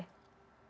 enggak ada kak